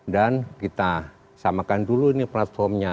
dan kita samakan dulu ini platformnya